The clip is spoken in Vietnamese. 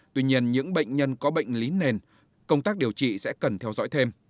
tuy nhiên những bệnh nhân có bệnh lý nền công tác điều trị sẽ cần theo dõi thêm